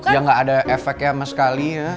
ya nggak ada efeknya sama sekali ya